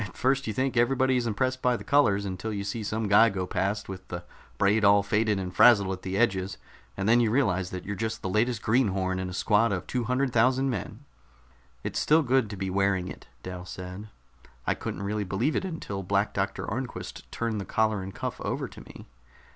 "At first you think everybody is impressed by the colors, until you see some guy go past with the braid all faded and frazzled at the edges, and then you realize that you're just the latest greenhorn in a squad of two hundred thousand men." "It's still good to be wearing it," Dal said. "I couldn't really believe it until Black Doctor Arnquist turned the collar and cuff over to me."